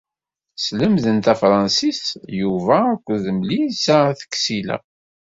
Sslemden tafṛansist Yuba akked Milisa n At Ksila?